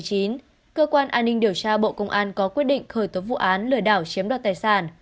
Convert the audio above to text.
cơ quan an ninh điều tra bộ công an có quyết định khởi tố vụ án lừa đảo chiếm đoạt tài sản